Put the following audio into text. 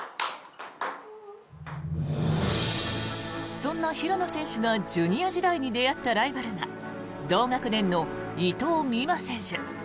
そんな平野選手がジュニア時代に出会ったライバルが同学年の伊藤美誠選手。